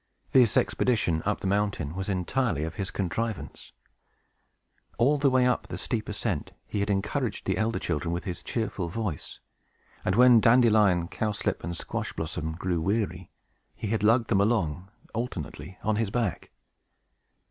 This expedition up the mountain was entirely of his contrivance. All the way up the steep ascent, he had encouraged the elder children with his cheerful voice; and when Dandelion, Cowslip, and Squash Blossom grew weary, he had lugged them along, alternately, on his back.